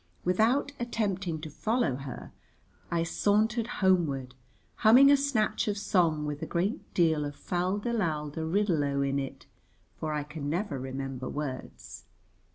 Without attempting to follow her, I sauntered homeward humming a snatch of song with a great deal of fal de lal de riddle o in it, for I can never remember words.